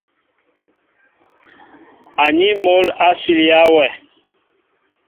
Aní mol a silya wɛ.